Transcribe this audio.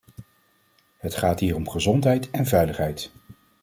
Het gaat hier om gezondheid en veiligheid.